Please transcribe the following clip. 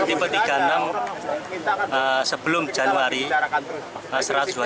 tipe tiga puluh enam sebelum januari satu ratus dua puluh